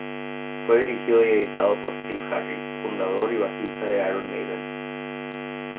Fue dirigido y editado por Steve Harris, fundador y bajista de Iron Maiden.